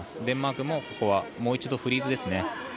デンマークはここはもう一度フリーズですね。